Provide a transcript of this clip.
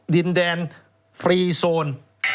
ดินแดนฟรีโซน